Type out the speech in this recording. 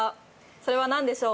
それは何でしょう？